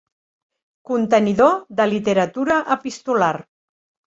Contenidor de literatura epistolar.